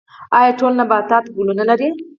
ایا ټول نباتات ګلونه لري؟